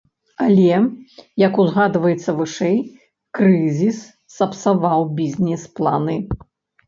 Але, як узгадваецца вышэй, крызіс сапсаваў бізнес-планы.